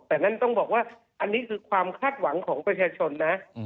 แต่นั่นต้องบอกว่าอันนี้คือความคาดหวังของประชาชนนะ